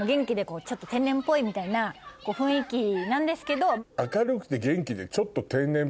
みたいな雰囲気なんですけど。